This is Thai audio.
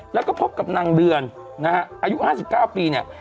แล้วก็พบกับนางเดือนนะฮะอายุ๕๙ปีเนี่ย